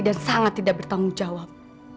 sangat tidak bertanggung jawab